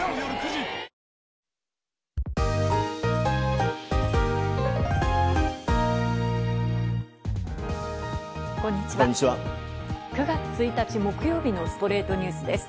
９月１日、木曜日の『ストレイトニュース』です。